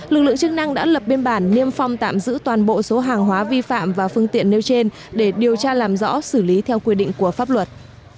lực lượng chức năng đã lập biên bản niêm phong tạm giữ toàn bộ số hàng hóa vi phạm và phương tiện nêu trên để điều tra làm rõ xử lý theo quy định của pháp luật